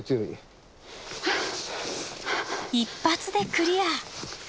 一発でクリア。